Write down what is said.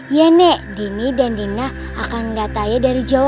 iya nek dini dan dina akan ngaduk ayah dari jauh